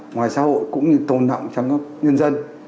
ngoài xã hội cũng như tồn đọng trong các nhân dân